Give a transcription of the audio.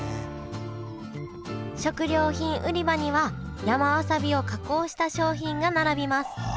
食料品売り場には山わさびを加工した商品が並びますああ